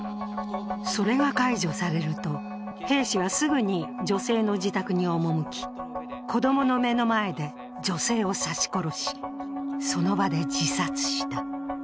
それが解除されると、兵士はすぐに女性の自宅に赴き子供の目の前で女性を刺し殺し、その場で自殺した。